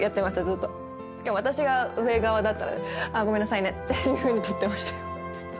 ずっとしかも私が上側だから「あっごめんなさいね」っていうふうに撮ってました